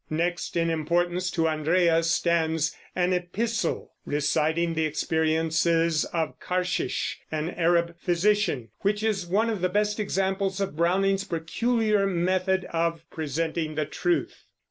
Next in importance to "Andrea" stands "An Epistle," reciting the experiences of Karshish, an Arab physician, which is one of the best examples of Browning's peculiar method of presenting the truth.